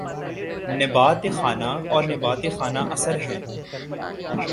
نبات خانہ اور نبات خانہ اثر ہیں